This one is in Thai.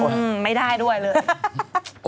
คุณไม่ได้ด้วยเลย